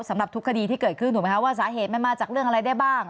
สำหรับทุกคดีที่เกิดขึ้นถูกไหมคะว่าสาเหตุมันมาจากเรื่องอะไรได้บ้าง